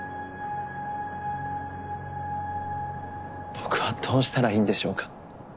僕はどうしたらいいんでしょうか？